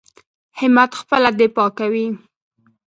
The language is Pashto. همت خپله دفاع کوي.